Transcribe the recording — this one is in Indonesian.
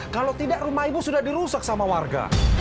kalau tidak rumah ibu sudah dirusak sama warga